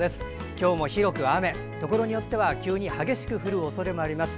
今日もく雨、ところによっては急に激しく降るおそれもります。